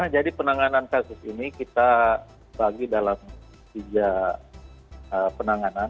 jadi penanganan kasus ini kita bagi dalam tiga penanganan